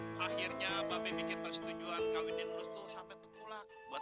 ngak akhirnya abang bikin tersetujuan kawinin susahhappy citizen buat